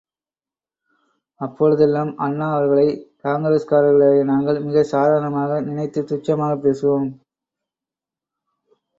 அப்பொழுதெல்லாம் அண்ணா அவர்களை காங்கிரஸ் காரர்களாகிய நாங்கள் மிகச் சாதாரணமாக நினைத்து, துச்சமாகப் பேசுவோம்.